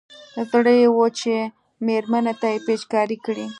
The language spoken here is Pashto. زړه يې و چې مېرمنې ته يې پېچکاري کړي.